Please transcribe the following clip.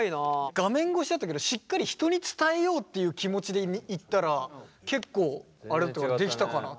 画面越しだったけどしっかり人に伝えようという気持ちで言ったら結構できたかな。